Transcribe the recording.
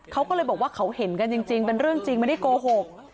เขาก็เลยบอกว่าเขาเห็นกันจริงเป็นเรื่องจริงไม่ได้โกหก